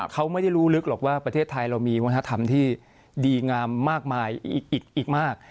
เขาไม่ได้รู้ลึกหรอกว่าประเทศไทยเรามีวัฒนธรรมที่ดีงามมากมายอีกมาก